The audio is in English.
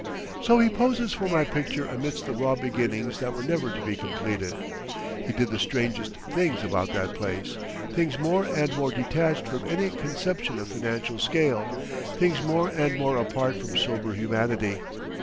So he poses for my picture amidst the raw beginnings that were never to be completed. He did the strangest things about that place, things more and more detached from any conception of financial scale, things more and more apart from sober humanity.